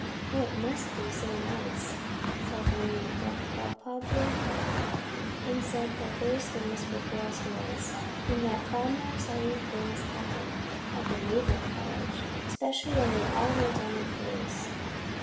" Oh, it must be so nice," sighed Juanita, but Pablo laughed, and said that those were girl's stories, and that far more exciting things happened at the naval college, especially when they all went on a cruise.